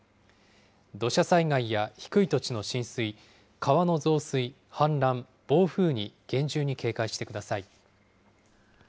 土砂災害や低い土地の浸水、川の増水、氾濫、暴風に厳重に警戒してください。